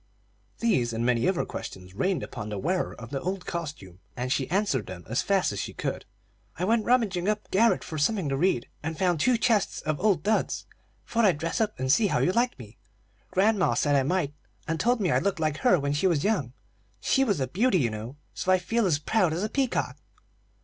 These and many other questions rained upon the wearer of the old costume, and she answered them as fast as she could. "I went rummaging up garret for something to read, and found two chests of old duds. Thought I'd dress up and see how you liked me. Grandma said I might, and told me I looked like her when she was young. She was a beauty, you know; so I feel as proud as a peacock."